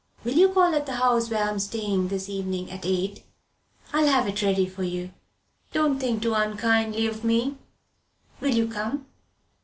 Will you call at the house where I'm staying this evening at eight? I'll have it ready for you. Don't think too unkindly of me! Will you come?"